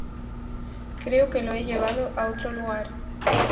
Creo que lo he llevado a otro lugar.